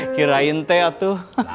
kirain teh atul